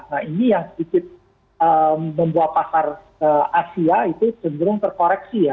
nah ini yang sedikit membuat pasar asia itu cenderung terkoreksi ya